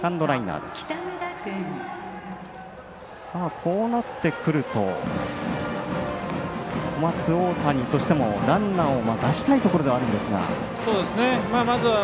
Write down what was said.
こうなってくると小松大谷としてもランナーを出したいところ。